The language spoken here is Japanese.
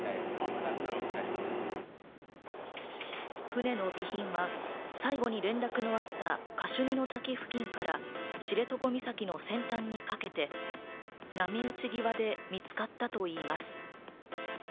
船の備品は最後に連絡のあったカシュニの滝付近から知床岬の先端にかけて波打ち際で見つかったといいます。